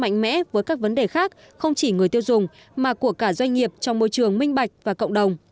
mạnh mẽ với các vấn đề khác không chỉ người tiêu dùng mà của cả doanh nghiệp trong môi trường minh bạch và cộng đồng